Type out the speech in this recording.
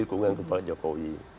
keunggahan kepada pak jokowi